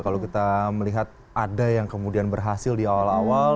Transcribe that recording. kalau kita melihat ada yang kemudian berhasil di awal awal